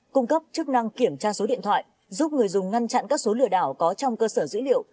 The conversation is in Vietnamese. cung cấp chức năng kiểm tra số điện thoại giúp người dùng ngăn chặn các số lừa đảo có trong cơ sở dữ liệu